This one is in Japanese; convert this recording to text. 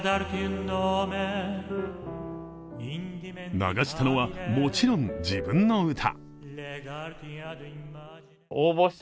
流したのは、もちろん自分の歌。